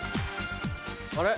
あれ？